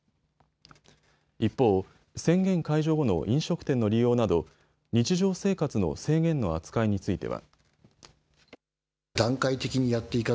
一方、宣言解除後の飲食店の利用など日常生活の制限の扱いについては。